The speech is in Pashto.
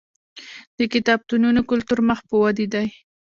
د کتابتونونو کلتور مخ په ودې دی.